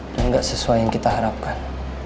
dan gak sesuai yang kita harapkan